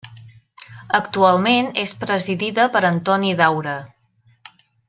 Actualment, és presidida per Antoni Daura.